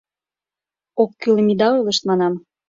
— Оккӱлым ида ойлышт, — манам.